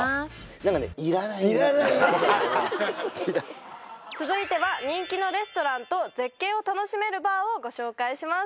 何かね続いては人気のレストランと絶景を楽しめるバーをご紹介します